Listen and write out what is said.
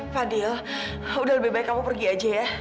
fadil udah lebih baik kamu pergi aja ya